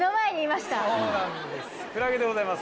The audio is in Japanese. そうなんです。